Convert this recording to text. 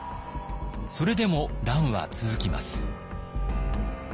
それでも乱は続きます。